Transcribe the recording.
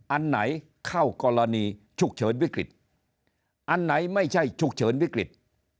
อันไหนเข้ากรณีฉุกเฉินวิกฤตอันไหนไม่ใช่ฉุกเฉินวิกฤต